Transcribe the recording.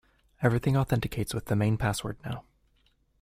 Everything authenticates with the main password now.